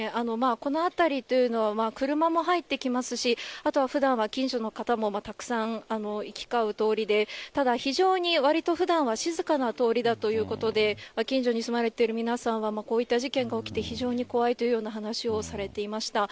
この辺りというのは車も入ってきますし、あとはふだんは近所の方もたくさん行き交う通りで、ただ、非常にわりとふだんは、静かな通りだということで、近所に住まれている皆さんは、こういった事件が起きて、非常に怖いというような話をされていました。